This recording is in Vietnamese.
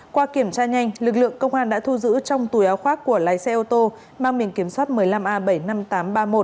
qua kiểm tra nhanh lực lượng công an đã thu giữ trong túi áo khoác của lái xe ô tô mang biển kiểm soát một mươi năm a bảy mươi năm nghìn tám trăm ba mươi một